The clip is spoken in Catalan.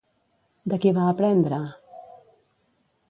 De qui va aprendre?